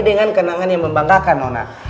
dengan kenangan yang membanggakan nona